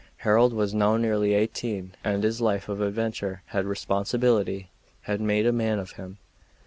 Harold was now nearly eighteen, and his life of adventure and responsibility had made a man of him.